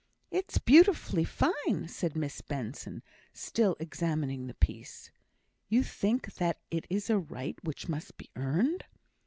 "It's beautifully fine," said Miss Benson, still examining the piece. "You think that it is a right which must be earned?"